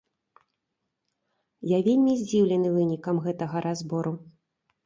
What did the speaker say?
Я вельмі здзіўлены вынікам гэтага разбору.